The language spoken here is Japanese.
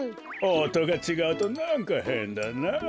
おとがちがうとなんかへんだなあ。